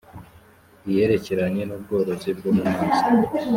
iyerekeranye n ubworozi bwo mu mazi